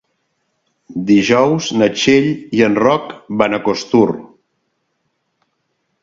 Dijous na Txell i en Roc van a Costur.